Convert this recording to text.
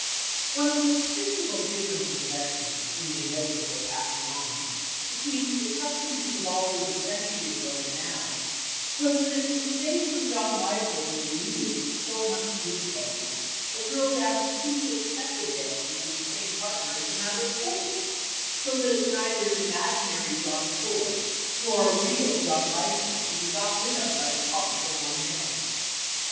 One of the principal differences of etiquette, we may note before passing on, between the customs of the ball room a century ago and now, was that in the days when John Lyford was eluded with so much difficulty a girl danced two successive dances with the same partner as a matter of course, so that neither an imaginary John Thorpe nor a real John Lyford could be got rid of by the promise of one dance.